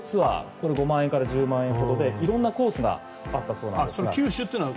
これ５万円から１０万円ほどで色んなコースがあったそうですが。